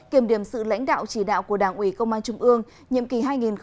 kiểm điểm sự lãnh đạo chỉ đạo của đảng ủy công an trung ương nhiệm kỳ hai nghìn hai mươi hai nghìn hai mươi